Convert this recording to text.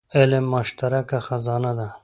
علم مشترکه خزانه ده.